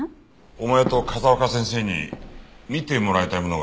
お前と風丘先生に診てもらいたいものがある。